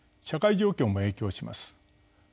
社会状況も影響します。